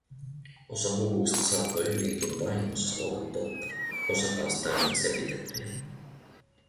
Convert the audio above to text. Osa huhuista saattoi hyvinkin vahingossa olla totta, osa taas täysin sepitettyjä.